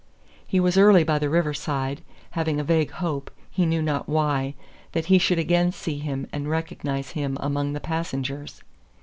He was early by the river side, having a vague hope, he knew not why, that he should again see him and recognize him among the passengers.